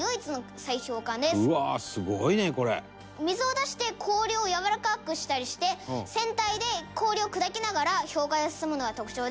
「うわーすごいねこれ」「水を出して氷をやわらかくしたりして船体で氷を砕きながら氷海を進むのが特徴です」